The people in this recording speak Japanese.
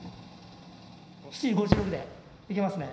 ７時５６分で行けますね。